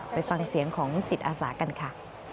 ไปฟังเสียงของจิตอาสากันค่ะ